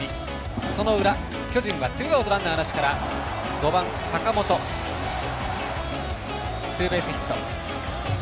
その裏、巨人はツーアウト、ランナーなしから５番、坂本、ツーベースヒット。